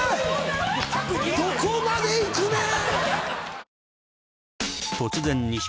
どこまで行くねん！」。